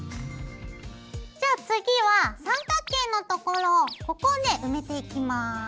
じゃあ次は三角形のところをここをね埋めていきます。